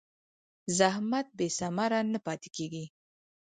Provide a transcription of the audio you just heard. زحمت بېثمره نه پاتې کېږي.